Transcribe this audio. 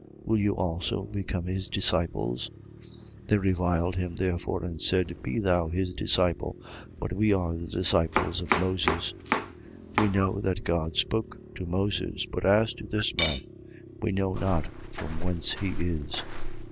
Will you also become his disciples? 9:28. They reviled him therefore and said: Be thou his disciple; but we are the disciples of Moses. 9:29. We know that God spoke to Moses: but as to this man, we know not from whence he is.